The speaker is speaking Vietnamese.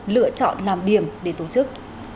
lựa chọn làm điểm để tổ chức